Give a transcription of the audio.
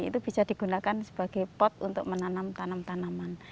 itu bisa digunakan sebagai pot untuk menanam tanam tanaman